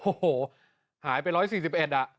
โอ้โหหายไป๑๔๑อ่ะ